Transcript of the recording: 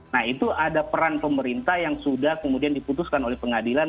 nah itu ada peran pemerintah yang sudah kemudian diputuskan oleh pengadilan